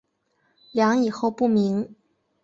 梁以后不明。